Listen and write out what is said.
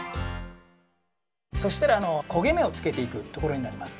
そしたらこげめをつけていくところになります。